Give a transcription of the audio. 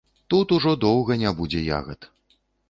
Тут ўжо доўга не будзе ягад!